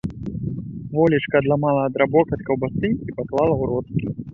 Волечка адламала драбок ад каўбасы і паклала ў рот.